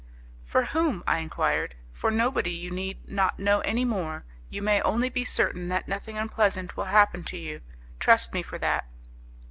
'For whom? I enquired. 'For nobody. You need not know any more: you may only be certain that nothing unpleasant will happen to you; trust me for that.